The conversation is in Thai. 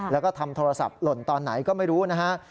แล้วก็ทำโทรศัพท์หล่นตอนไหนก็ไม่รู้นะฮะ